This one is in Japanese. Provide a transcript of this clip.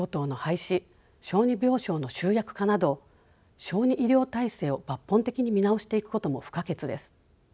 小児病床の集約化など小児医療体制を抜本的に見直していくことも不可欠です。